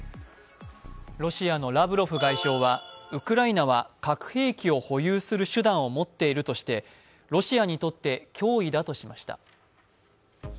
ロシアのラブロフ外相はウクライナは核兵器を保有する手段を持っているとしてロシアにとって脅威だとしました。